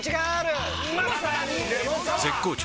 絶好調！！